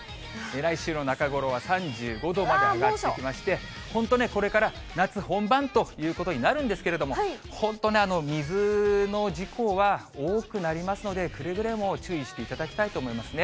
来週の中頃は３５度まで上がってきまして、本当ね、これから夏本番ということになるんですけれども、本当ね、水の事故は、多くなりますので、くれぐれも注意していただきたいと思いますね。